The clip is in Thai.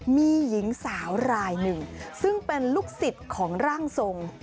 มีหญิงสาวรายหนึ่งซึ่งเป็นลูกศิษย์ของร่างทรง